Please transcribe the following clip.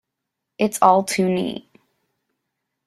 It's all too neat.